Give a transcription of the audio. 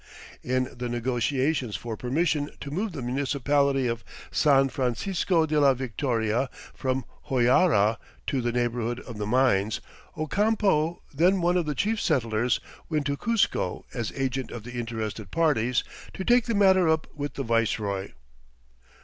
In the negotiations for permission to move the municipality of San Francisco de la Victoria from Hoyara to the neighborhood of the mines, Ocampo, then one of the chief settlers, went to Cuzco as agent of the interested parties, to take the matter up with the viceroy.